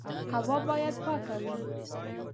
هوا باید پاکه وي.